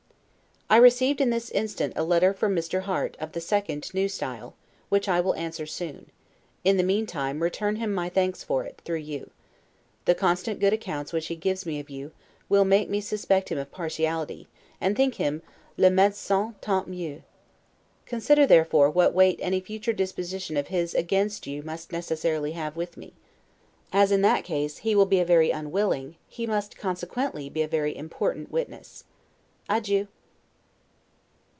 I received in this instant a letter from Mr. Harte, of the 2d N. S., which I will answer soon; in the meantime, I return him my thanks for it, through you. The constant good accounts which he gives me of you, will make me suspect him of partiality, and think him 'le medecin tant mieux'. Consider, therefore, what weight any future deposition of his against you must necessarily have with me. As, in that case, he will be a very unwilling, he must consequently be a very important witness. Adieu!